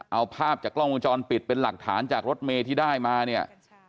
เอาภาพจากกล้องวงจรปิดเป็นหลักฐานจากรถเมย์ที่ได้มาเนี่ย